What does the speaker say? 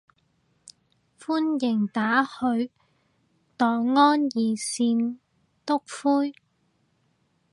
歡迎打去黨安熱線篤灰